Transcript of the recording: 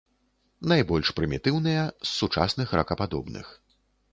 Найбольш прымітыўныя з сучасных ракападобных.